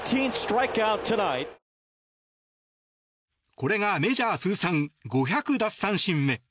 これがメジャー通算５００奪三振目。